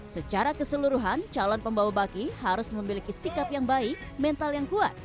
secara keseluruhan calon pembawa baki harus memiliki sikap yang baik mental yang kuat